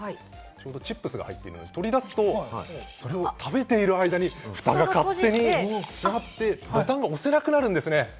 チップスが入っているので、取り出すと食べている間にふたが勝手に閉まってボタンが押せなくなるんですね。